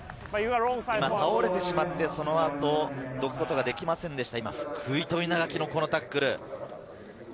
倒れてしまってその後、どくことができませんでした。